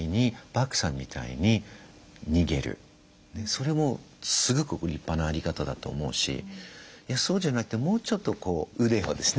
それもすごく立派なあり方だと思うしいやそうじゃなくてもうちょっとこう腕をですね